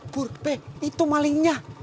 kurpe itu malingnya